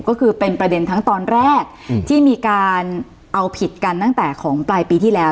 ก็คือเป็นประเด็นทั้งตอนแรกที่มีการเอาผิดกันตั้งแต่ของปลายปีที่แล้ว